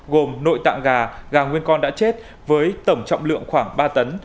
gồm nội tạng gà gà nguyên con đã chết với tổng trọng lượng khoảng ba tấn